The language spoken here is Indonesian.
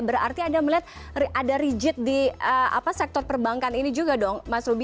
berarti anda melihat ada rigid di sektor perbankan ini juga dong mas ruby